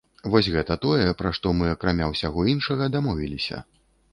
Вось гэта тое, пра што мы, акрамя ўсяго іншага, дамовіліся.